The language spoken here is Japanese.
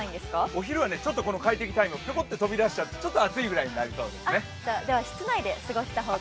お昼は、ちょっとこの快適タイムが飛び出しちゃってちょっと暑いぐらいになりそうですね。